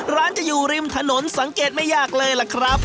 ร้านจะอยู่ริมถนนสังเกตไม่ยากเลยล่ะครับ